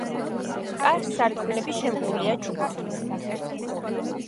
კარ-სარკმლები შემკულია ჩუქურთმებით.